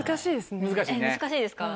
難しいですか。